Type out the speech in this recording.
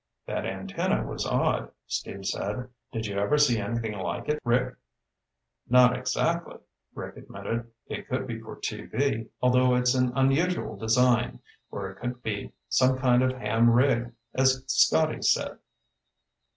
"That antenna was odd," Steve said. "Did you ever see anything like it, Rick?" "Not exactly," Rick admitted. "It could be for TV, although it's an unusual design, or it could be some kind of ham rig, as Scotty said."